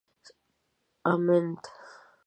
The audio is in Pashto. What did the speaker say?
امېند